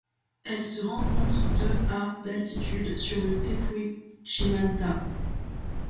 Elle se rencontre de à d'altitude sur le tepuy Chimantá.